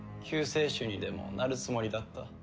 主にでもなるつもりだった？